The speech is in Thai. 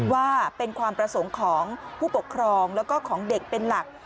ว่าเป็นความประสงค์ของผู้ปกครองแล้วก็ของเด็กเป็นหลัก